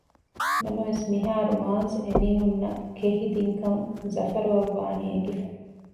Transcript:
ނަމަވެސް މިހާރު މާޒް އެމީހުންނަށް ކެހި ދިންކަން ޒަފަރުއަށް ވާނީ އެނގިފަ